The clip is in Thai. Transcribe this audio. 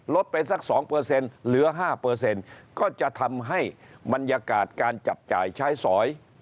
ไปสัก๒เหลือ๕ก็จะทำให้บรรยากาศการจับจ่ายใช้สอย